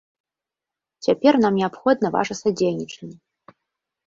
Цяпер нам неабходна ваша садзейнічанне.